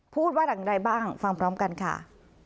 พูดว่าอย่างไรบ้างฟังพร้อมกันค่ะ